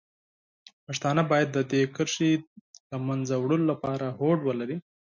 پښتانه باید د دې کرښې د له منځه وړلو لپاره هوډ ولري.